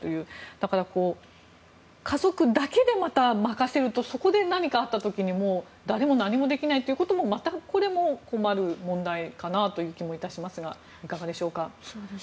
だから家族だけでまた任せるとそこで何かあった時にもう誰も何もできないということもこれも困る問題かなという気もいたしますがいかがでしょうか。